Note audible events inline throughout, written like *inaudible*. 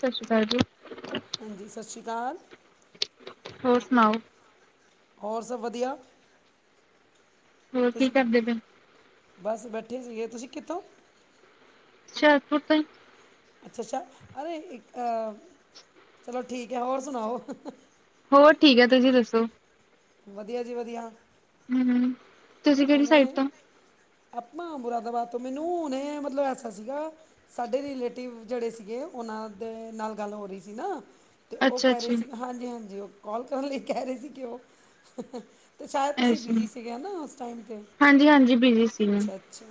ਸ਼ਾਸਰੀ ਕਾਲ ਜੀ। ਹਾਂਜੀ, ਸ਼ਾਸਰੀ ਕਾਲ। ਹੋਰ ਸੁਣਾਓ। ਹੋਰ ਸਭ ਵਧੀਆ, ਹੋਰ ਕੀ ਤੁਸੀਂ ਕਿ ਕਰਦੇ ਪਏ? ਬਸ ਬੈਠੇ ਸੀਗੇ, ਤੁਸੀਂ ਕਿੱਥੋਂ ਸ਼ਿਆਰਪੁਰ ਤੋਂ ਈ ਅੱਛਾ ਅੱਛਾ, ਅਰੇ ਇੱਕ ਅ, ਚਲੋ ਠੀਕ ਐ, ਹੋਰ ਸੁਣਾਓ। ਹੋਰ ਠੀਕ ਐ ਤੁਸੀਂ ਦੱਸੋ। ਵਧੀਆ ਜੀ ਵਧੀਆ। ਹਮ ਹੁਨੇ ਆਪਾਂ ਮੁਰਾਦਾਬਾਦ ਤੋਂ, ਮੈਨੂੰ ਹੁਨੇ ਮਤਲਬ ਐਸਾ ਸੀਗਾ ਸਾਡੇ ਰਿਲੇਟਿਵ ਜਿਹੜੇ ਸੀਗੇ ਉਹਨਾਂ ਦੇ ਨਾਲ ਗੱਲ ਹੋ ਰੀ ਸੀ ਨਾ ਤੇ ਉਹ ਅੱਛਾ ਕਹਿ ਰਹੇ ਅੱਛਾ ਸੀ ਹਾਂਜੀ ਹਾਂਜੀ ਉਹ ਕਾਲ ਕਰਨ ਲਈ ਕਹਿ ਰਹੇ ਸੀ ਕਿ ਉਹ ਤੇ ਸ਼ਾਇਦ ਤੁਸੀਂ ਐਸੀ ਬੀਜੀ ਸੀਗੇ ਨਾ ਉਸ ਟਾਈਮ 'ਤੇ ਹਾਂਜੀ ਹਾਂਜੀ ਬੀਜੀ ਸੀ ਮੈਂ। ਅੱਛਾ ਅੱਛਾ!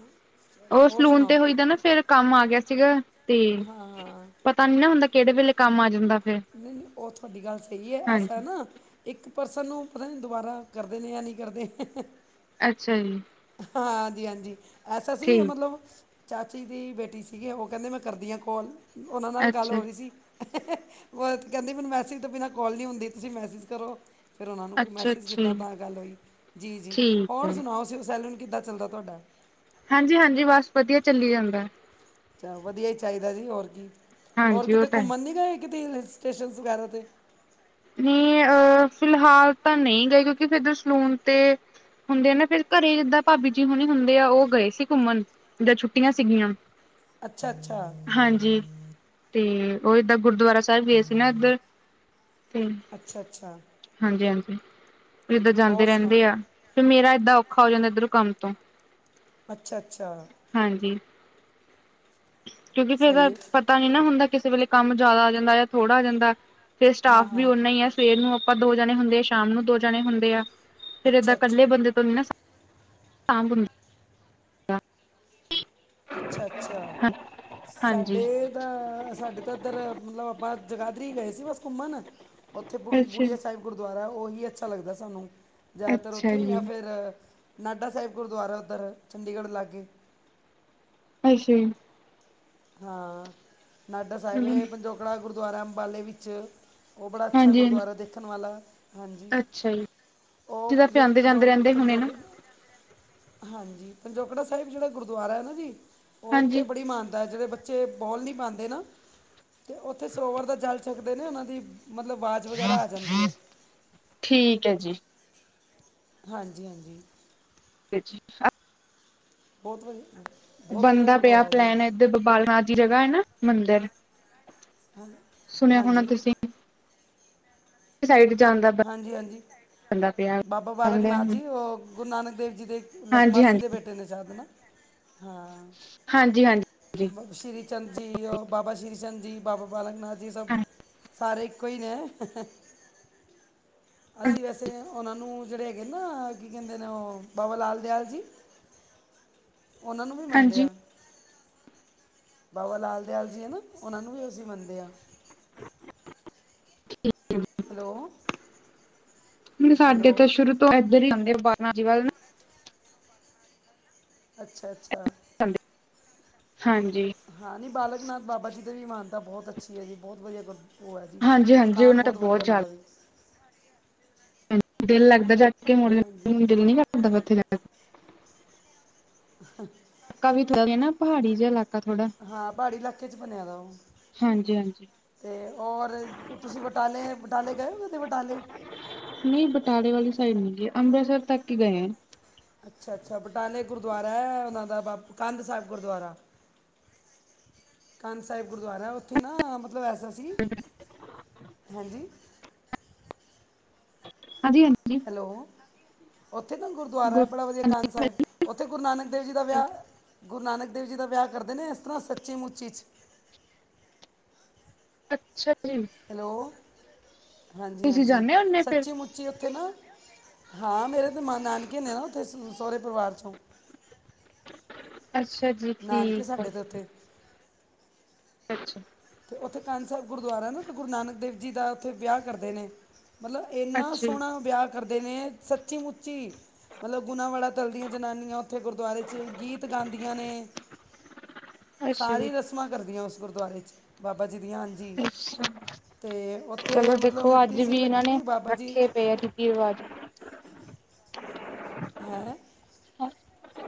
ਚਲੋ ਉਹ ਹੋਰ ਸਲੂਨ ਤੇ ਸੁਣਾਓ ਹੋਈਦਾ ਨਾ ਫੇਰ ਕੰਮ ਆ ਗਿਆ ਸੀਗਾ ਤੇ ਹਾਂ ਹਾਂ ਪਤਾ ਨੀ ਨਾ ਹੁੰਦਾ ਕਿਹੜੇ ਵੇਲੇ ਕੰਮ ਆ ਜਾਂਦਾ ਫੇਰ। *unintelligible* ਨਹੀਂ ਨਹੀਂ ਉਹ ਥੋਡੀ ਗੱਲ ਸਹੀ ਹੈ ਐਸਾ ਹਾਂਜੀ ਨਾ ਇੱਕ ਪਰਸਨ ਨੂੰ ਪਤਾ ਨੀ ਦੁਬਾਰਾ ਕਰਦੇ ਨੇ ਯਾ ਨਈ ਕਰਦੇ ਅੱਛਾ ਜੀ। ਹਾਂਜੀ ਹਾਂਜੀ ਐਸਾ ਸੀ ਠੀਕ ਮਤਲਬ ਚਾਚੀ ਦੀ ਬੇਟੀ ਸੀਗੀ, ਉਹ ਕਹਿੰਦੇ ਮੈਂ ਕਰਦੀ ਆਂ ਕੋਲ ਉਹਨਾਂ ਨਾਲ ਗੱਲ ਅੱਛਾ ਹੋ ਰੀ ਸੀ। *unintelligible* ਕਹਿੰਦੀ ਮੈਨੂੰ ਮੈਸਿਜ ਤੋਂ ਬਿਨਾਂ ਕੋਲ ਨਹੀਂ ਹੁੰਦੀ ਤੁਸੀਂ ਮੈਸਿਜ ਕਰੋ। ਫੇਰ ਉਹਨਾਂ ਨੂੰ ਕੋਈ ਅੱਛਾ ਅੱਛਾ ਮੈਸਿਜ ਜੀ ਕੀਤਾ ਤਾਂ ਗੱਲ ਹੋਈ, ਜੀ ਜੀ ਠੀਕ ਹੈ ਹੋਰ ਸੁਣਾਓ। ਸੈਲੂਨ ਕਿੱਦਾਂ ਚੱਲਦਾ ਤੁਹਾਡਾ। ਹਾਂਜੀ ਹਾਂਜੀ ਬਸ ਵਧੀਆ ਚੱਲੀ ਜਾਂਦਾ। ਚੱਲ ਵਧੀਆ ਹੀ ਚਾਹੀਦਾ ਜੀ ਹੋਰ ਕੀ, ਹੋਰ ਹਾਂਜੀ ਉਹ ਕਿਤੇ ਤਾਂ ਘੁੰਮਣ ਨੀ ਗਏ ਕਿਤੇ ਹਿਲ ਸਟੇਸ਼ਨ ਵਗੈਰਾ 'ਤੇ ਨਹੀਂ ਅਹ ਫਿਲਹਾਲ ਤਾਂ ਨਹੀਂ ਗਏ ਕਿਉਂਕਿ ਇਧਰ ਸੈਲੂਨ ਤੇ ਹੁੰਦੇ ਆ ਨਾ ਫਿਰ ਘਰੇ ਜਿੰਦਾਂ ਭਾਬੀ ਜੀ ਹੁਣੀ ਹੁੰਦੇ ਆ ਉਹ ਗਏ ਸੀ ਘੁੰਮਣ। ਛੁੱਟੀਆਂ ਸੀਗੀਆਂ। ਅੱਛਾ ਅੱਛਾ। ਹਾਂਜੀ ਤੇ ਉਹ ਏਦਾਂ ਗੁਰਦੁਆਰਾ ਸਾਹਿਬ ਗੇ ਸੀ ਨਾ ਇੱਧਰ। ਅੱਛਾ ਅੱਛਾ ਹਾਂਜੀ ਹਾਂਜੀ। ਇੱਦਾ ਜਾਂਦੇ ਹੋਰ ਸੁਣਾ ਰਹਿੰਦੇ ਆਂ। ਫ ਮੇਰਾ ਏਦਾਂ ਔਖਾ ਹੋ ਜਾਂਦੈ ਇੱਧਰ ਕੰਮ ਤੋਂ। ਅੱਛਾ ਅੱਛਾ। ਹਾਂਜੀ ਕਿਉਂਕਿ ਫੇਰ ਸਹੀ ਪਤ ਹੈ ਪਤਾ ਨੀ ਨਾ ਹੁੰਦਾ ਕਿਸੇ ਵੇਲੇ ਕੰਮ ਜਾਦਾ ਆ ਜਾਂਦਾ ਤਾਂ ਥੋੜ੍ਹਾ ਆ ਜਾਂਦਾ। ਫੇਰ ਹਾਂ ਸਟਾਫ ਵੀ ਹਾਂ ਉਨਾਂ ਹੀ ਐ, ਸਵੇਰ ਨੂੰ ਆਪਾਂ ਦੋ ਜਾਣੇ ਹੁੰਦੇ, ਸ਼ਾਮ ਨੂੰ ਦੋ ਜਾਣੇ ਹੁੰਦੇ ਆ। ਫਿਰ ਏਦਾਂ ਅੱਛਾ ਅੱਛਾ ਇਕੱਲੇ ਬੰਦੇ ਤੋਂ ਨੀ ਨਾ ਸਾਂਭ *inaudible* ਹੁੰਦਾ। ਅੱਛਾ ਅੱਛਾ ਹਾਂਜੀ ਸਾਡੇ ਅ ਅ, ਸਾਡੇ ਤਾਂ ਇੱਧਰ ਮਤਲਬ ਆਪਾਂ ਜਗਾਧਰੀ ਗਏ ਸੀ ਬਸ ਘੁੰਮਣ ਉੱਥੇ ਬੁੜ ਅੱਛਾ, ਬੁੜੀਆ ਸਾਹਿਬ ਗੁਰਦੁਆਰਾ ਉਹੀ ਅੱਛਾ ਲੱਗਦੈ ਸਾਨੂੰ। ਜ਼ਿਆਦਾਤਰ ਅੱਛਾ ਉੱਥੇ ਈ ਜੀ। ਐ ਫਿਰ ਨਾਡਾ ਸਾਹਿਬ ਗੁਰਦੁਆਰਾ ਉੱਧਰ ਚੰਡੀਗੜ੍ਹ ਲਾਗੇ ਅੱਛਾ ਜੀ ਹਾਂ! ਨਾਡਾ ਸਾਹਿਬ ਏ, ਹੂੰ, ਪੰਜੋਕੜਾ ਗੁਰਦੁਆਰਾ ਅੰਬਾਲੇ ਵਿੱਚ ਉਹ ਬੜਾ ਅੱਛਾ ਹਾਂਜੀ ਹਾਂਜੀ। ਗੁਰਦੁਆਰਾ ਦੇਖਣ ਵਾਲਾ, ਹਾਂਜੀ। ਅੱਛਾ ਜੀ, ਓ ਤੁਸੀਂ ਤਾਂ ਫਿਰ ਜੇੜਾ ਆਂਦੇ ਜਾਂਦੇ ਪੰਜੋ ਰਹਿੰਦੇ ਹੋਣੇ ਪੰਜੋਕ ਨਾ, ਹਾਂਜੀ ਪੰਜੋਕੜਾ ਸਾਹਿਬ ਜੇੜਾ ਗੁਰਦੁਆਰਾ ਐ ਨਾ ਜੀ ਓ ਹਾਂਜੀ। ਉੱਥੇ ਬੜੀ ਮਾਨ ਦਾ ਜੇੜੇ ਬੱਚੇ ਬੋਲ ਨੀ ਪਾਂਦੇ ਨਾ 'ਤੇ ਉੱਥੇ ਸੋਵਰ ਦਾ ਜਲ ਛਕਦੇ ਨੇ ਉਨਾਂ ਦੀ ਮਤਲਬ ਵਾਜ਼ ਵਗੈਰਾ ਆ ਜਾਂਦੀ ਐ। ਠੀਕ ਐ ਜੀ। ਹਾਂਜੀ-ਹਾਂਜੀ। *inaudible* ਬੋਤ ਵਧੀਆ ਅ ਬਣਦਾ ਪਿਆ ਪਲੈਨ ਏਧਰ ਬਾਲ ਨਾਥ ਦੀ ਜਗਾ ਐ ਨਾ ਮੰਦਰ। ਹਨ ਹਾਂਜੀ। ਸਾਈਡ ਜਾਂਦਾ ਹਾਂਜੀ-ਹਾਂਜੀ, ਬਾਬਾ ਬਾਲਕ ਜਾਂਦੇ ਆ ਨਾਥ ਹੁਣ। ਜੀ ਓ ਗੁਰੂ ਨਾਨਕ ਦੇਵ ਜੀ ਦੇ ਲਗ ਹਾਂਜੀ ਮਾਸੀ ਹਾਂਜੀ, ਦੇ ਬੇਟੇ ਨੇ ਸ਼ੈਦ ਨਾ, ਹਾਂ। ਹਾਂਜੀ ਹਾਂਜੀ, ਬ ਸ਼੍ਰੀ ਚੰਦ ਜੀ ਓ ਬਾਬਾ ਸ਼੍ਰੀ ਚੰਦ ਜੀ, ਬਾਬਾ ਬਾਲਕ ਨਾਥ ਜੀ ਸਭ ਹਾਂਜੀ। ਸਾਰੇ ਇੱਕੋ ਈ ਨੇ। ਅਸੀਂ ਵੈਸੇ ਉਨਾਂ ਨੂੰ ਜੇੜੇ ਹੈਗੇ ਨਾ ਕੀ ਕੈਂਦੇ ਨੇ ਓ ਬਾਬਾ ਲਾਲ ਦਿਆਲ ਜੀ ਉਨਾਂ ਨੂੰ ਵੀ ਮੰਨਦੇ ਹਾਂਜੀ। ਆ। ਬਾਬਾ ਲਾਲ ਦਿਆਲ ਜੀ ਏ ਨਾ ਉਨਾਂ ਨੂੰ ਵੀ ਅਸੀਂ ਮੰਨਦੇ ਆ। *inaudible* ਹੈਲੋ ਨਈ ਸਾਡੇ ਤਾਂ ਹੈਲੋ ਸ਼ੁਰੂ ਤੋਂ ਐਧਰ ਈ ਜਾਂਦੇ ਆ ਬਾਨਾ ਜੀ ਵੱਲ ਨਾ। ਅੱਛਾ-ਅੱਛਾ। ਜਾਂਦੇ, ਹਾਂਜੀ। ਹਾਂ ਨਈ ਬਾਲਕ ਨਾਥ ਬਾਬਾ ਜੀ ਦੇ ਵੀ ਮਾਨਤਾ ਬੋਤ ਅੱਛੀ ਐ ਜੀ ਬੋਤ ਵਧੀਆ ਗੁਰ ਓ ਐ ਜੀ, ਹਾਂਜੀ ਹਾਂਜੀ, ਥਾਨ ਉਹਨਾਂ ਦਾ ਬੋਤ ਵਧੀਆ ਬਹੁਤ ਉਨਾਂ ਦਾ ਜ਼ਿਆਦਾ ਵੀ। ਦਿਲ ਲੱਗਦਾ ਜਾ ਕੇ ਹੁਣ ਹਾਂਜੀ ਦਿਲ ਨੀ ਕਰਦਾ ਪਿਆ ਉਥੇ ਜਾਣ। *unintelligible* ਕਵੀ ਥਲਦੀ ਆ ਨਾ ਪਹਾੜੀ ਜਾ ਇਲਾਕਾ ਥੋੜਾ। ਹਾਂ ਪਹਾੜੀ ਇਲਾਕੇ 'ਚ ਬਣਿਆ ਦਾ ਓ। ਹਾਂਜੀ ਹਾਂਜੀ 'ਤੇ ਔਰ ਤੁਸੀਂ ਬਟਾਲੇ, ਬਟਾਲੇ ਗਏ ਓ ਕਦੀ ਬਟਾਲੇ? ਨਈ ਬਟਾਲੇ ਵਾਲੀ ਸਾਈਡ ਨੀ ਗਏ ਅੰਬਰਸਰ ਤੱਕ ਈ ਗਏ ਆ। ਅੱਛਾ-ਅੱਛਾ ਬਟਾਲੇ ਗੁਰਦੁਆਰਾ ਐ ਉਨਾਂ ਦਾ ਬਪ ਕੰਧ ਸਾਅਬ ਗੁਰਦੁਵਾਰਾ। ਕੰਧ ਸੇਅਬ ਗੁਰਦੁਆਰਾ ਉੱਥੇ ਨਾ ਮਤਲਬ ਐਸਾ ਸੀ *inaudible* ਹੈਂ ਜੀ। ਹਾਂਜੀ-ਹਾਂਜੀ। ਹੈਲੋ, ਉੱਥੇ ਨਾ ਗੁਰਦੁਆਰਾ ਗੁ ਐ ਬੜਾ ਵਧੀਆ ਕੰਧ ਸਾਇਬ ਉੱਥੇ ਗੁਰੂ ਨਾਨਕ ਦੇਵ ਜੀ ਦਾ ਵੇਆ, ਗੁਰੂ ਨਾਨਕ ਦੇਵ ਜੀ ਦਾ ਵੇਆ ਕਰਦੇ ਨੇ ਏਸ ਤਰਾਂ ਸੱਚੀ ਮੁੱਚੀ 'ਚ। ਅੱਛਾ ਜੀ। ਹੈਲੋ, ਤੁਸੀਂ ਹਾਂਜੀ-ਹਾਂਜੀ ਜਾਂਦੇ ਹੁੰਦੇ ਫਿਰ ਸੱਚੀ ਮੁੱ ਚੀ ਉੱਥੇ ਨਾ, ਹਾਂ ਮੇਰੇ 'ਤੇ ਮ ਨਾਨਕੇ ਨੇ ਨਾ ਉਥੇ ਸ ਸੌਰੇ ਪਰਿਵਾਰ ਚੋਂ। ਅੱਛਾ ਜੀ ਠੀਕ ਆ‌। ਉਥੇ ਅੱਛਾ। ਅਤੇ ਉੱਥੇ ਕਾਨ ਸਾਹਿਬ ਗੁਰਦੁਆਰਾ ਹੈ ਨਾ, ਉੱਥੇ ਗੁਰੂ ਨਾਨਕ ਦੇਵ ਜੀ ਦਾ ਉੱਥੇ ਵਿਆਹ ਕਰਦੇ ਨੇ ਮਤਲਬ, ਇੰਨਾ ਅੱਛਾ ਜੀ ਸੋਹਣਾ ਵਿਆਹ ਕਰਦੇ ਨੇ ਸੱਚੀ- ਮੁੱਚੀ ਮਤਲਬ ਗੁਣਾ ਵਾਲਾ ਤਲਦੀਆਂ ਜਨਾਨੀਆਂ। ਉੱਥੇ ਗੁਰਦੁਆਰੇ ਚ, ਗੀਤ ਗਾਦੀਆਂ ਨੇ ਅੱਛਾ ਜੀ ਸਾਰੀ ਰਸ ਮਾ ਕਰਦੀਆਂ। ਉਸ ਗੁਰਦੁਆਰੇ ਚ ਬਾਬਾ ਜੀ ਦੀਆਂ ਹਨ ਜੀ ਅੱਛਾ ਤੇ ਚਲੋ ਉੱਥੇ ਮਤਲਬ ਦੇਖੋ ਮਿੱਟੀ ਸੀ। ਲੱਗੀ ਨਹੀਂ ਬਾਬਾ ਜੀ ਇਹ ਵਾਜ਼ ਹੇਂ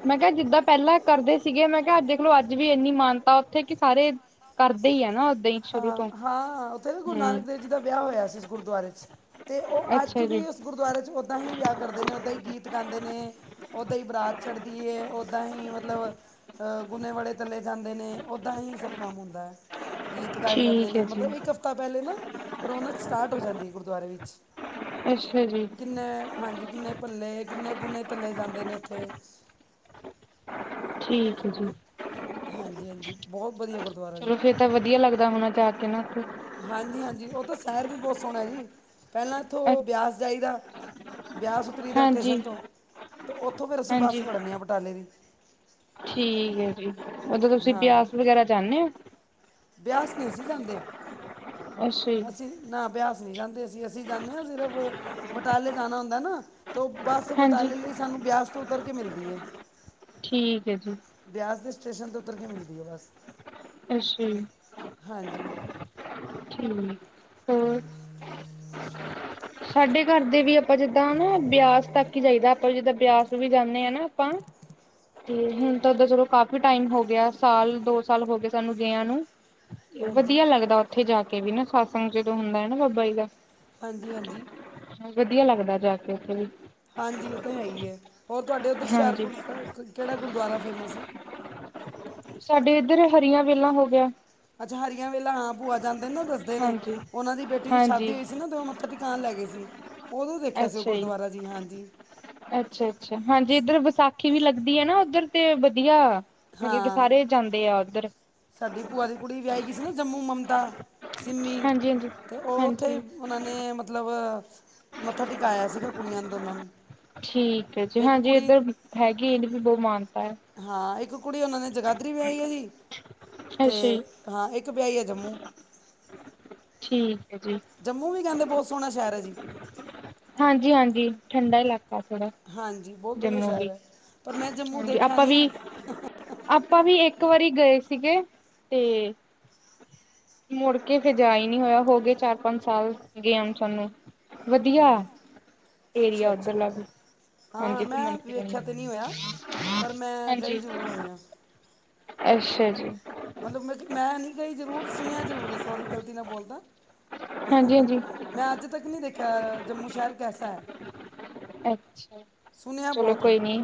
ਮੈਂ ਕਿਹਾ ਜਿੱਦਾਂ ਪਹਿਲਾਂ ਕਰਦੇ ਸੀਗੇ। ਮੈਂ ਕਿਹਾ, ਦੇਖਲੋ ਅੱਜ ਵੀ ਇੰਨੀ ਮਾਨਤਾ ਉੱਥੇ ਕਿ ਸਾਰੇ ਕਰਦੇ ਹੀ ਆ ਨਾ ਓਦਾਂ ਹੀ ਸ਼ੁਰੂ ਤੋਂ ਹਾਂ-ਹਾਂ। ਉੱਥੇ ਵੀ ਗੁਰੂ ਨਾਨਕ ਹਮ ਦੇਵ ਜੀ ਦਾ ਵਿਆਹ ਹੋਇਆ ਸੀ। ਉਸ ਗੁਰਦੁਆਰੇ ਚ, ਤੇ ਉਹ ਅੱਜ ਅੱਛਾ ਜੀ ਵੀ ਗੁਰਦੁਆਰੇ ਚ, ਓਦਾਂ ਹੀ ਵਿਆਹ ਕਰਦੇ ਨੇ, ਉੱਦਾਂ ਹੀ ਗੀਤ ਗਾਦੇ ਨੇ। ਓਦਾਂ ਹੀ ਬਰਾਤ ਚੜ੍ਹਦੀ ਏ ਓਦਾਂ ਹੀ ਮਤਲਬ ਗੁਨੇ ਵਾਲੇ ਤਲੇ ਜਾਂਦੇ ਨੇ। ਉੱਦਾਂ ਹੀ ਸਭ ਕੰਮ ਹੁੰਦਾ। ਗੀਤ ਗਾਏ ਜਾਂਦੇ ਠੀਕ ਨੇ। ਹੈ ਜੀ ਮਤਲਬ ਇੱਕ ਹਫਤਾ ਪਹਿਲੇ ਨਾ ਰੌਣਕ ਸਟਾਰਟ ਹੋ ਜਾਂਦੀ ਹੈ। ਗੁਰਦੁਆਰੇ ਵਿੱਚ ਅੱਛਾ ਜੀ। ਕਿੰਨੇ ਹਾਂਜੀ ਕਿੰਨੇ ਪੱਲੇ ਕਿੰਨੇ ਕੁੂਨੇ ਤੱਲੇ ਜਾਂਦੇ ਨੇ। ਉੱਥੇ ਠੀਕ ਹੈ। ਜੀ ਹਾਂਜੀ-ਹਾਂਜੀ ਬਹੁਤ ਵਧੀਆ ਗੁਰਦੁਆਰਾ ਜੀ। ਚਲੋ ਫੇਰ ਵਧੀਆ ਲੱਗਦਾ ਹੋਣਾ ਜਾ ਕੇ ਨਾ ਉੱਥੇ ਹਾਂਜੀ-ਹਾਂਜੀ, ਉਹ ਤਾਂ ਸ਼ਹਿਰ ਵੀ ਬਹੁਤ ਸੋਹਣਾ ਹੈ। ਜੀ ਪਹਿਲਾਂ ਇੱਥੋਂ ਬਿਆਸ ਜਾਈਦਾ। ਵਿਆਸ ਉੱਤਰੀ ਦਾ ਹਾਂਜੀ ਸਟੇਸ਼ਨ ਤੋਂ ਅਤੇ ਉੱਥੋਂ ਫਿਰ ਅਸੀਂ ਬੱਸ ਹਾਂਜੀ ਫੜਨੇ ਆ। ਬਟਾਲੇ ਦੀ ਠੀਕ ਹੈ, ਜੀ ਉਦੋਂ ਤੁਸੀਂ ਹਾਂ ਬਿਆਸ ਵਗੈਰਾ ਜਾਣੇ ਹੋ। ਬਿਆਸ ਨਹੀਂ ਅਸੀਂ ਜਾਂਦੇ, ਅੱਛਾ ਜੀ। ਅਸੀਂ ਨਾ, ਬਿਆਸ ਨਹੀਂ ਜਾਂਦੇ। ਅਸੀਂ-ਅਸੀਂ ਜਾਂਦੇ ਹਾਂ। ਸਿਰਫ ਬਟਾਲੇ ਜਾਣਾ ਹੁੰਦਾ ਨਾ। ਤ ਬੱਸ, ਹਾਂਜੀ ਬਟਾਲੇ ਲਈ ਸਾਨੂੰ ਬਿਆਸ ਤੋਂ ਉਤਰ ਕੇ ਮਿਲਦੀ ਹੈ। ਠੀਕ ਹੈ ਜੀ। ਬਿਆਸ ਦੇ ਸਟੇਸ਼ਨ ਤੇ ਉੱਤਰ ਕੇ ਮਿਲਦੀ ਆ। ਬੱਸ ਅੱਛਾ। ਹਾਂਜੀ। ਠੀਕ। ਹੋਰ ਹ। ਸਾਡੇ ਘਰ ਦੇ ਵੀ ਆਪਾਂ ਜਿੱਦਾਂ ਨਾ ਬਿਆਸ ਤੱਕ ਹੀ ਚਾਹੀਦਾ। ਆਪਾਂ ਜਿੱਦਾਂ ਬਿਆਸ ਵੀ ਜਾਂਦੇ ਹਾਂ ਨਾ। ਆਪਾਂ ਤੇ ਹੁਣ ਤਾਂ ਓਦਾਂ ਚਲੋ। ਕਾਫੀ ਟਾਈਮ ਹੋ ਗਿਆ ਸਾਲ, ਦੋ ਸਾਲ ਹੋ ਗਏ। ਸਾਨੂੰ ਗਈਆ ਨੂੰ ਤੇ, ਹਾਂਜੀ ਵਧੀਆ ਲੱਗਦਾ। ਉੱਥੇ ਜਾ ਕੇ ਵੀ ਨਾ ਸਤਸੰਗ ਜਦੋਂ ਹੁੰਦਾ ਹੈ ਨਾ, ਬਾਬਾ ਜੀ ਦਾ ਹਾਂਜੀ-ਹਾਂਜੀ। ਵਧੀਆ ਲੱਗਦਾ ਜਾ ਕੇ, ਉੱਥੇ ਵੀ ਹਾਂਜੀ, ਇਹ ਤਾਂ ਹੈਗੀ ਹੈ। ਹੋਰ ਤੁਹਾਡੇ ਉੱਧਰ ਹਾਂਜੀ ਹੁਸ਼ਿਆਰਪੁਰ ਕਿਹੜਾ ਗੁਰਦੁਆਰਾ ਫੇਮਸ ਹੈ। ਸਾਡੇ ਇੱਧਰ ਹਰੀਆਂ ਵੇਲਾ ਹੋ ਗਿਆ। ਅੱਛਾ, ਹਰੀਆਂ ਵੇਲਾ ਹਾਂ। ਭੂਆ ਜਾਂਦੇ ਨੇ ਨਾ ਦੱਸਦੇ ਨੇ, ਹਾਂਜੀ ਉਹਨਾ ਦੀ ਬੇਟੀ ਦੀ ਸ਼ਾਦੀ ਹਾਂਜੀ ਹੋਈ ਸੀ ਨਾ। ਦੋ ਥ ਦੁਕਾਨ ਲੈ ਗਏ ਸੀ। ਉਦੋਂ ਦੇਖਿਆ ਸੀ। ਉਹ ਗੁਰਦੁਆਰਾ ਜੀ ਹਾਂਜੀ। ਅੱਛਾ -ਅੱਛਾ, ਹਾਂਜੀ ਇੱਧਰ ਵਿਸਾਖੀ ਵੀ ਲੱਗਦੀ ਆ। ਨਾ ਉੱਧਰ ਤੇ ਵਧੀਆ। ਮਤਲਬ ਕਿ ਹਾਂ ਸਾਰੇ ਜਾਂਦੇ ਆ। ਉੱਧਰ ਸਾਡੀ ਭੂਆ ਦੀ ਕੁੜੀ ਵਿਆਹੀ ਗਈ ਸੀ ਨਾ ਜੰਮੂ, ਮਮਤਾ, ਸਿੰਮੀ ਹਾਂਜੀ ਹਾਂਜੀ ਤੇ ਉਹ ਉੱਥੇ ਹਾਂਜੀ ਉਹਨਾਂ ਨੇ ਮਤਲਬ ਮੱਥਾ ਟਿਕਾਇਆ ਸੀਗਾ ਕੁੜੀਆਂ ਨੇ ਦੋਨਾਂ ਨੂੰ, ਠੀਕ ਹੈ ਜੀ ਇੱਕ ਹਾਂਜੀ ਕੁੜੀ ਇੱਧਰ ਹੈਗੀ ਇਹਨੂੰ ਵੀ ਬਹੁਤ ਮਾਨਤਾ ਹੈ। ਹਾਂ ਇੱਕ ਕੁੜੀ ਉਹਨਾਂ ਨੇ ਜਗਾਧਰੀ ਵਿਆਹੀ ਹੋਈ, ਅੱਛਾ ਜੀ ਤੇ ਹਾਂ ਇੱਕ ਵਿਆਹੀ ਆ ਜੰਮੂ। ਠੀਕ ਹੈ ਜੀ। ਜੰਮੂ ਵੀ ਕਹਿੰਦੇ ਬਹੁਤ ਸੋਹਣਾ ਸ਼ਹਿਰ ਹੈ ਜੀ। ਹਾਂਜੀ-ਹਾਂਜੀ, ਠੰਡਾ ਇਲਾਕਾ ਥੋੜਾ, ਹਾਂਜੀ ਬਹੁਤ ਵਧੀਆ ਜੰਮੂ ਸ਼ਹਿਰ ਵੀ, ਹੈ ਪਰ ਮੈਂ ਜੰਮੂ ਹਾਂਜੀ ਦੇਖਿਆ ਆਪਾਂ ਨਹੀਂ ਵੀ ਹੈ ਆਪਾਂ ਵੀ ਇੱਕ ਵਾਰੀ ਗਏ ਸੀਗੇ, ਤੇ ਮੁੜ ਕੇ ਫਿਰ ਜਾ ਹੀ ਨਹੀ ਹੋਇਆ ਹੋਗੇ ਚਾਰ ਪੰਜ ਸਾਲ ਗਿਆ ਨੂੰ ਸਾਨੂੰ, ਵਧੀਆ। ਅੱਛਾ ਏਰੀਆ ਅੱਛਾ ਉਧਰਲਾ ਵੀ ਹਾਂ ਹਾਂਜੀ ਘੁੰਮਣ ਮੈਂ ਫਿਰਨ, ਵੇਖਿਆ ਤਾਂ ਨਹੀਂ ਹੋਇਆ ਪਰ ਮੈਂ ਗਈ ਹਾਂਜੀ। ਜ਼ਰੂਰ ਹੋਈ ਹਾਂ ਅੱਛਾ ਜੀ। ਮਤਲਬ ਮੈਂ, ਮੈਂ ਨਹੀਂ ਗਈ ਜ਼ਰੂਰ ਸੁਣਿਆ ਜ਼ਰੂਰ ਹੈ ਸੋਰੀ ਗਲਤੀ ਨਾਲ ਬੋਲਤਾ ਹਾਂਜੀ ਹਾਂਜੀ ਮੈਂ ਅੱਜ ਤੱਕ ਨਹੀਂ ਦੇਖਿਆ ਜੰਮੂ ਸ਼ਹਿਰ ਕੈਸਾ ਹੈ। ਅੱਛਾ, ਸੁਣਿਆ ਚਲੋ ਬਹੁਤ ਹੈ ਕੋਈ ਨੀ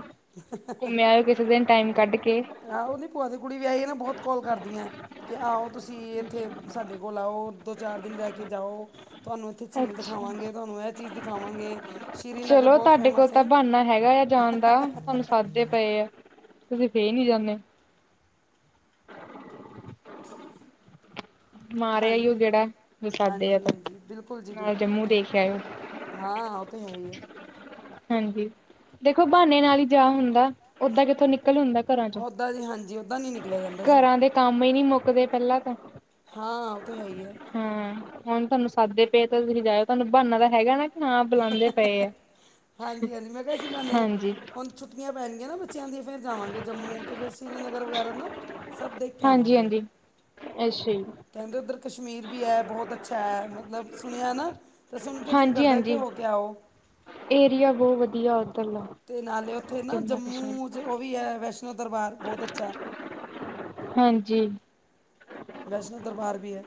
ਘੁੰਮਿਆ ਆਇਓ ਕਿਸੇ ਦਿਨ ਟਾਈਮ ਕੱਢ ਕੇ। ਆਹੋ ਉਹ ਦੀ ਭੂਆ ਦੀ ਕੁੜੀ ਵਿਆਹ ਈਆ ਹੈ ਨਾ ਬਹੁਤ ਕਾੱਲ ਕਰਦੀਆਂ ਕਿ ਆਹਓ ਤੁਸੀਂ ਇੱਥੇ ਸਾਡੇ ਕੋਲ ਆਓ ਦੋ ਚਾਰ ਦਿਨ ਲੈ ਕੇ ਜਾਓ, ਤੁਹਾਨੂੰ ਇੱਥੇ ਝੀਲ ਅੱਛਾ ਦਿਖਾਵਾਂਗੇ, ਇਹ ਚੀਜ਼ ਦਿਖਾਵਾਂਗੇ। ਸ਼੍ਰੀਨਗਰ ਚਲੋ ਬਹੁਤ ਤੁਹਾਡੇ ਕੋਲ ਫੇਮਸ ਹੈ ਤਾਂ ਬਹਾਨਾ ਹੈਗਾ ਆ ਜਾਣ ਦਾ ਤੁਹਾਨੂੰ ਸਦਦੇ ਪਏ ਆ, ਤੁਸੀ ਫੇਰ ਨੀ ਜਾਂਦੇ। ਮਾਰ ਹਾਂਜੀ, ਆਈਓ ਗੇੜਾ ਜੇ ਸੱਦਦੇ ਆ ਤਾਂ ਹਾਂਜੀ-ਹਾਂਜੀ, ਬਿਲਕੁਲ ਜੀ ਨਾਲ ਬਿਲਕੁਲ ਜੰਮੂ ਜ ਦੇਖ ਆਇਓ ਹਾਂ ਉਹ ਤਾਂ ਹੈ ਹੀ ਹੈ। ਹਾਂਜੀ, ਦੇਖੋ ਬਹਾਨੇ ਨਾਲ ਹੀ ਜਾ ਹੁੰਦਾ ਓਦਾਂ ਕਿੱਥੋਂ ਨਿਕਲ ਹੁੰਦਾ ਘਰਾਂ ਚੋ। ਓਦਾਂ ਨੀ ਹਾਂਜੀ ਓਦਾਂ ਨੀ ਨਿਕਲ ਘਰਾਂ ਦੇ ਕੰਮ ਹੀ ਨਹੀ ਮੁੱਕਦੇ ਪਹਿਲਾਂ ਤਾਂ ਹਾਂ ਉਹ ਤਾਂ ਹੈ ਹੀ ਹੈ। ਹਾਂ ਹੁਣ ਤੁਹਾਨੂੰ ਸਾਦੇ ਪਏ ਤਾਂ ਤੁਸੀਂ ਜਾਇਓ ਤੁਹਾਨੂੰ ਬਹਾਨਾ ਤਾਂ ਹੈਗਾ ਨਾ। ਹਾਂ ਬੁਲਾਦੇ ਪਏ ਆ, ਹਾਂਜੀ ਹਾਂਜੀ ਮੈਂ ਕਿਹਾ ਸੀ ਬਹਾਨੇ ਹਾਂਜੀ। ਹੁਣ ਛੁੱਟੀਆਂ ਪੈਣਗੀਆਂ ਨਾ ਬੱਚਿਆਂ ਦੀ ਫਿਰ ਜਾਵਾਂਗੇ ਜੰਮੂ ਤੇ ਫਿਰ ਸ਼੍ਰੀ ਨਗਰ ਵਗੈਰਾ ਨਾ ਸਭ ਦੇਖ ਕੇ ਆਵਾਂਗੇ ਹਾਂਜੀ-ਹਾਂਜੀ, ਅੱਛਾ ਜੀ। ਕਹਿੰਦੇ ਉੱਧਰ ਕਸ਼ਮੀਰ ਵੀ ਹੈ ਬਹੁਤ ਅੱਛਾ ਹੈ ਮਤਲਬ ਸੁਣਿਆ ਨਾ ਤੇ ਸੁਣ ਕੇ ਦਿਲ ਹਾਂਜੀ ਕਰਦਾ ਏ। ਹਾਂਜੀ ਹੋ ਕੇ ਆਓ। ਏਰੀਆ ਬਹੁਤ ਵਧੀਆ ਉਧਰਲਾ। ਤੇ ਨਾਲੇ ਉੱਥੇ ਨਾ ਜੰਮੂ ਚ ਉਹ ਵੀ ਹੈ ਵੈਸ਼ਨੋ ਦਰਬਾਰ ਬਹੁਤ ਅੱਛਾ। ਹਾਂਜੀ। ਵੈਸ਼ਨੋ ਦਰਬਾਰ ਵੀ ਹੈ।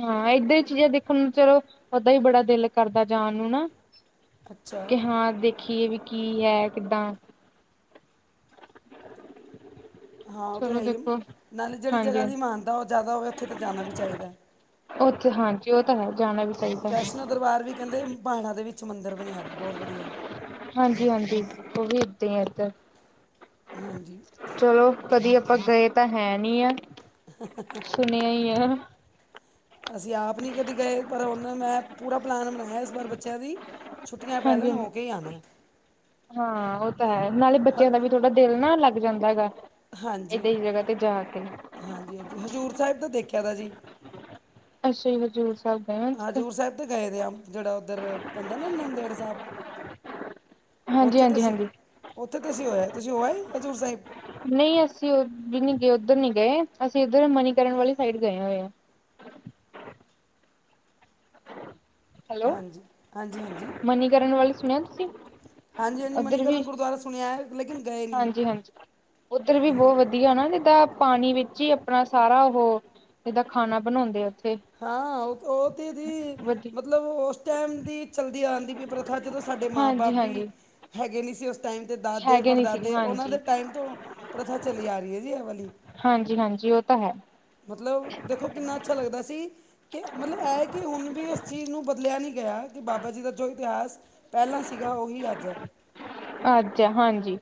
ਹਾਂ ਇੱਧਰ ਚੀ ਦੇਖਣ ਨੂੰ ਚਲੋ ਓਦਾਂ ਹੀ ਬੜਾ ਦਿਲ ਕਰਦਾ ਜਾਣ ਨੂੰ ਨਾ ਅੱਛਾ ਕਿ ਹਾਂ ਦੇਖੀਏ ਵੀ ਕੀ ਹੈ ਕਿੱਦਾਂ *inaudible* ਹਾਂ ਉਹ ਤਾਂ ਚਲੋ ਹੈ ਹੀ ਦੇਖੋ ਨਾਲੇ ਜਿਹੜੀ ਹਾਂਜੀ ਜਗ੍ਹਾ ਦੀ ਹਾਂਜੀ ਮਾਨਤਾ ਉਹ ਜ਼ਿਆਦਾ ਹੋਵੇ ਉੱਥੇ ਤਾਂ ਜਾਣਾ ਵੀ ਚਾਹੀਦਾ ਹੈ। ਓਕੇ ਹਾਂਜੀ ਉਹ ਤਾਂ ਹੈ ਜਾਣਾ ਵੀ ਚਾਹੀਦਾ। ਵੈਸ਼ਨੂੰ ਦਰਬਾਰ ਵੀ ਕਹਿੰਦੇ ਪਹਾੜਾ ਦੇ ਵਿੱਚ ਮੰਦਰ ਬਣਿਆ ਵਾ ਬਹੁਤ ਵਧੀਆ। ਹਾਂਜੀ-ਹਾਂਜੀ, ਉਹ ਵੀ ਏਦਾਂ ਹੀ ਆ ਇੱਧਰ, ਹਾਂਜੀ ਚਲੋ। ਕਦੀ ਆਪਾਂ ਗਏ ਤਾਂ ਹੈਨੀ ਆ। *inaudible* ਸੁਨੇਆ ਈ ਆ। ਅਸੀਂ ਆਪ ਨੀ ਕਦੀ ਗਏ ਪਰ ਓਨਾਂ ਨੇ ਪੂਰਾ ਪਲੈਨ ਬਨਾਏਆ ਇਸ ਵਾਰ ਬੱਚੇਆਂ ਦੀ ਛੁੱਟੀਆਂ ਪੈ ਹਾਂਜੀ-ਹਾਂਜੀ, ਲੈਣ ਹੋ ਕੇ ਹੀ ਆਉਣਾ ਹਾਂ ਓ ਤਾਂ ਹੈ ਨਾਲ਼ੇ ਹ ਬੱਚੇਆਂ ਦਾ ਵੀ ਥੋ ਥੋੜਾ ਦਿਲ ਨਾ ਲੱਗ ਜਾਂਦਾ ਗਾ, ਏਦਾਂ ਦੀ ਜਗਾ ਤੇ ਜਾ ਕੇ। ਹਾਂਜੀ-ਹਾਂਜੀ ਹਜ਼ੂਰ ਸੈਬ ਦਾ ਦੇਖੇਆ ਦਾ ਜੀ। ਅੱਛਾ ਜੀ ਹਜ਼ੂਰ ਸਾਬ ਹਜ਼ੂਰ ਸੈਬ ਤੇ ਗਏ ਦੇ ਆਂ ਜੇੜਾ ਓਦਰ ਪੈਂਦਾ ਨਾ ਨੰਦੇੜ ਸਾਬ। ਹਾਂਜੀ ਓਥੇ ਤੇ ਹਾਂਜੀ ਅਸੀਂ ਹਾਂਜੀ ਓਥੇ ਤੇ ਅਸੀਂ ਹੋ ਆਏ ਤੁਸੀਂ ਹੋ ਆਏ ਹਜ਼ੂਰ ਸਾਇਬ। ਨਈਂ ਅਸੀਂ ਓ ਵੀ ਨੀ ਗਏ ਓਦਰ ਨੀ ਗਏ ਅਸੀਂ ਏਦਰ ਮਨੀਕਰਨ ਵਾਲੀ ਸਾਈਡ ਗਏ ਹੋਏ ਆਂ। ਹੈਲੋ ਹਾਂਜੀ-ਹਾਂਜੀ-ਹਾਂਜੀ। ਮਨੀਕਰਨ ਵੱਲ ਸੁਣਿਆ ਤੁਸੀਂ ਹਾਂਜੀ-ਹਾਂਜੀ ਮਨੀਕਰਨ ਗੁਰਦੁਆਰਾ ਸੁਨੇਆ ਐ ਲੇਕਿਨ ਗਏ ਨਹੀਂ ਹਾਂਜੀ-ਹਾਂਜੀ, ਓਦਰ ਵੀ ਬਹੁ ਵਦੀ ਵਦੀਆ ਨਾ ਜਿੱਦਾਂ ਪਾਨੀ ਵਿੱਚ ਈ ਆਪਨਾ ਸਾਰਾ ਓਹੋ ਜਿੱਦਾਂ ਖਾਨਾ ਬਨੌਂਦੇ ਆ ਓਥੇ। ਹਾਂ ਓ-ਓ ਤੇ ਦੀ ਵਧੀਆ ਮਤਲਬ ਓਸ ਟੈਮ ਦੀ ਚੱਲਦੀ ਆਨਦੀ ਵੀ ਐ ਪ੍ਰਥਾ ਜਦੋਂ ਸਾਡੇ ਮਾਂ ਬਾਪ ਹਾਂਜੀ ਵੀ ਹਾਂਜੀ ਹੈਗੇ ਨੀ ਸੀ ਓਸ ਟੈਮ ਤੇ ਦਾਦੇ ਹੈਗੇ ਨੀ ਸੀਗੇ ਪੜਦਾਦੇ ਓਨਾਂ ਹਾਂਜੀ ਦੇ ਟਾਈਮ ਤੋਂ ਪ੍ਰਥਾ ਚਲੀ ਆ ਰਈ ਐ ਜੀ ਐ ਵਾਲੀ। ਹਾਂਜੀ-ਹਾਂਜੀ ਓ ਤਾਂ ਹੈ। ਮਤਲਬ ਦੇਖੋ ਕਿੰਨਾ ਅੱਛਾ ਲੱਗਦਾ ਜੀ ਕੇ ਮਤਲਬ ਐ ਕੇ ਹੁਨ ਵੀ ਉਸ ਚੀਜ਼ ਨੂੰ ਬਦਲੇਆ ਨੀ ਗੇਆ ਕੇ ਬਾਬਾ ਜੀ ਦਾ ਜੋ ਇਤਹਾਸ ਪੈਲਾਂ ਸੀਗਾ ਓਹੀ ਅੱਜ ਐ। ਅੱਜ ਆ ਹਾਂਜੀ,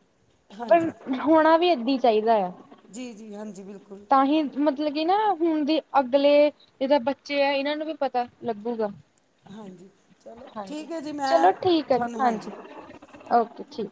ਪਰ ਹੋਨਾ ਵੀ ਏਦਾ ਈ ਚਾਈਦਾ ਆ। ਜੀ-ਜੀ ਹਾਂਜੀ ਬਿਲਕੁਲ। ਤਾਂਹੀ ਮਤਲਬ ਕੀ ਨਾ ਹੁਨ ਦੇ ਅਗਲੇ ਏ ਤਾਂ ਬੱਚੇ ਆ ਏਨਾਂ ਨੂੰ ਵੀ ਪਤਾ ਲੱਗੂਗਾ। ਹਾਂਜੀ ਚਲੋ ਹਾਂਜੀ, ਠੀਕ ਹੈ ਜੀ ਚਲੋ ਮੈਂ ਠੀਕ ਆ ਜੀ ਤੁਹਾਨੂੰ ਹਾਂਜੀ। ਓਕੇ ਠੀਕ।